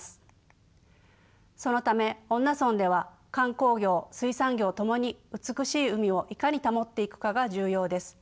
そのため恩納村では観光業水産業ともに美しい海をいかに保っていくかが重要です。